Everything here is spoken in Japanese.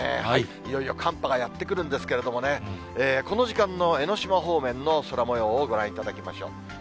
いよいよ寒波がやって来るんですけれどもね、この時間の江の島方面の空もようをご覧いただきましょう。